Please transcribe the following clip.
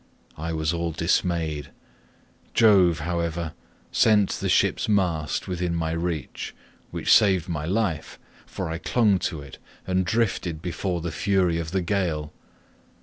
I was all dismayed. Jove, however, sent the ship's mast within my reach, which saved my life, for I clung to it, and drifted before the fury of the gale.